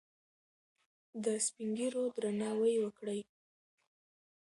د سپین ږیرو درناوی وکړئ.